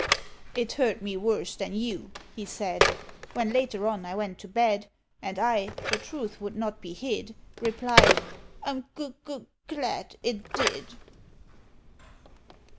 "It hurt me worse than you," he said, When later on I went to bed, And I the truth would not be hid Replied, "I'm gug gug glad it did!"